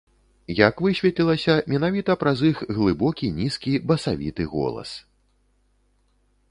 Як высветлілася, менавіта праз іх глыбокі, нізкі, басавіты голас.